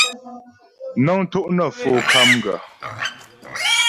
Nə́ŋ tó' nə Fo KAMGA.